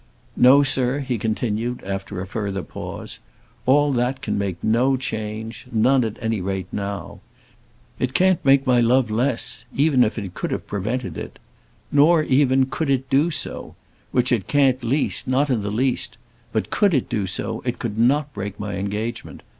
"No, sir," he continued, after a further pause. "All that can make no change; none at any rate now. It can't make my love less, even if it could have prevented it. Nor, even, could it do so which it can't the least, not in the least but could it do so, it could not break my engagement.